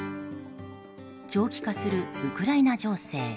長期化するウクライナ情勢。